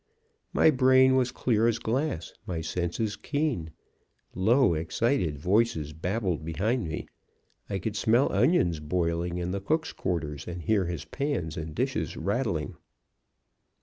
My brain was clear as glass, my senses keen. Low, excited voices babbled behind me. I could smell onions boiling in the cook's quarters, and hear his pans and dishes rattling.